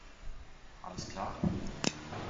Alles klar!